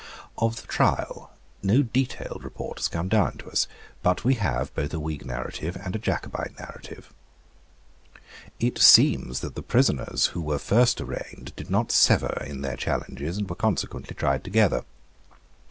Of the trial no detailed report has come down to us; but we have both a Whig narrative and a Jacobite narrative. It seems that the prisoners who were first arraigned did not sever in their challenges, and were consequently tried together.